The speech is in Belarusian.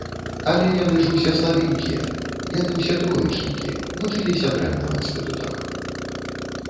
Але яны ж усе слабенькія, яны ўсе троечнікі, вучыліся дрэнна ў інстытутах.